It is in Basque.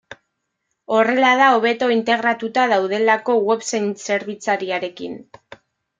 Horrela da hobeto integratuta daudelako web zerbitzariarekin.